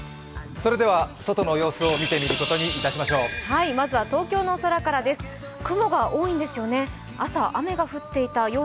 それでは外の様子を見ていくことにしましょう。